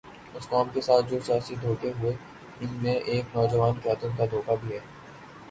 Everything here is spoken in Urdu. اس قوم کے ساتھ جو سیاسی دھوکے ہوئے، ان میں ایک نوجوان قیادت کا دھوکہ بھی ہے۔